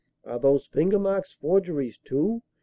Are those finger marks forgeries, too?